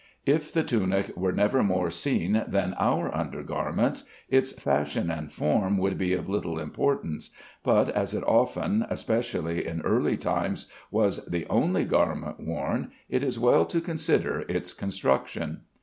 If the tunic were never more seen than our under garments, its fashion and form would be of little importance: but as it often (especially in early times) was the only garment worn, it is well to consider its construction.